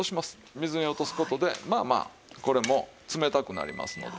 水に落とす事でまあまあこれも冷たくなりますので。